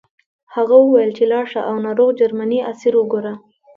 هغه وویل چې لاړ شه او ناروغ جرمنی اسیر وګوره